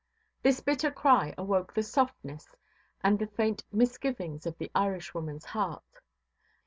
This bitter cry awoke the softness and the faint misgivings of the Irishwomanʼs heart.